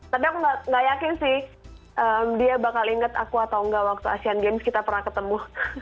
tapi aku gak yakin sih dia bakal ingat aku atau enggak waktu asian games kita pernah ketemu